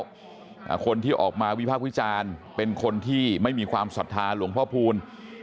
อ่าคนที่ออกมาวิพากษ์วิจารณ์เป็นคนที่ไม่มีความศรัทธาหลวงพ่อพูล